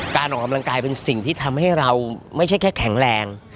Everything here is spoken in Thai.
การออกกำลังกายเป็นสิ่งที่ทำให้เราไม่ใช่แค่แข็งแรง